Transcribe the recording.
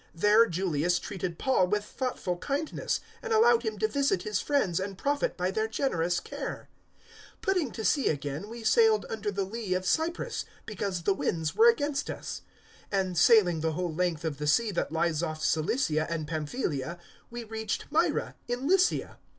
There Julius treated Paul with thoughtful kindness and allowed him to visit his friends and profit by their generous care. 027:004 Putting to sea again, we sailed under the lee of Cyprus, because the winds were against us; 027:005 and, sailing the whole length of the sea that lies off Cilicia and Pamphylia, we reached Myra in Lycia.